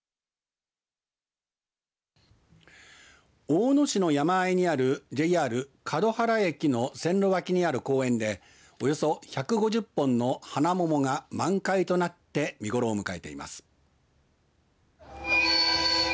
大野市の山あいにあるＪＲ勝原駅の線路脇にある公園でおよそ１５０本のハナモモが満開となって見頃を迎えています。